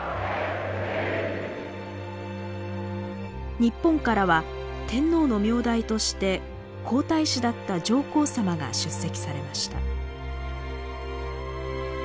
日本からは天皇の名代として皇太子だった上皇さまが出席されました。